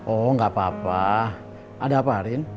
oh gak apa apa ada apa arin